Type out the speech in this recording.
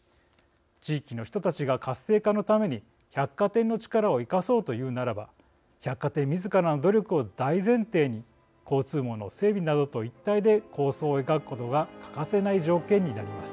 地域の人たちが活性化のために百貨店の力を生かそうというならば百貨店みずからの努力を大前提に交通網の整備などと一体で構想を描くことが欠かせない条件になります。